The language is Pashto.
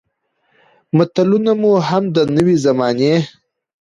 متلونه مو هم د نوې زمانې